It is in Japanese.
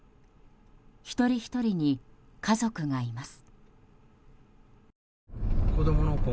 一人ひとりに家族がいます。